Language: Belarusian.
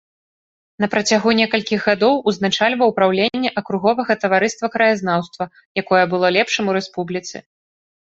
На працягу некалькіх гадоў узначальваў праўленне акруговага таварыства краязнаўства, якое было лепшым у рэспубліцы.